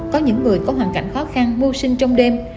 có những người có hoàn cảnh khó khăn mưu sinh trong đêm